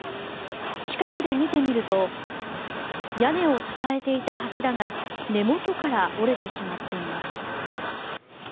近くで見てみると屋根を支えていた柱が根元から折れてしまっています。